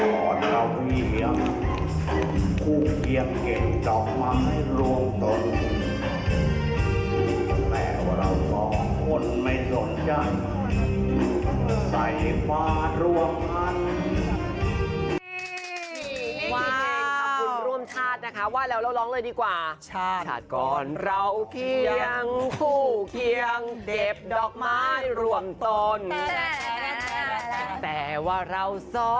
ขอครับคุณร่วมชาตินะคะว่าแล้วเราร้องเลยดีกว่า